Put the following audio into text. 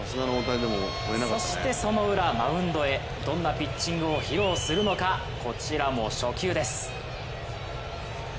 そしてその裏、マウンドへどんなピッチングを披露するのかこちらも初球です。